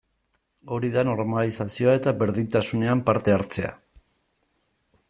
Hori da normalizazioa eta berdintasunean parte hartzea.